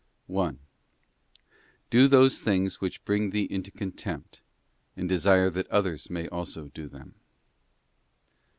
. 1. Do those things which bring thee into contempt, and desire that others also may do them.